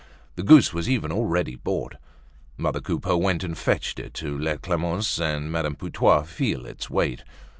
The goose was even already bought. Mother Coupeau went and fetched it to let Clemence and Madame Putois feel its weight.